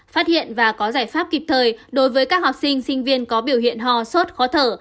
phát hiện và có giải pháp kịp thời đối với các học sinh sinh viên có biểu hiện ho sốt khó thở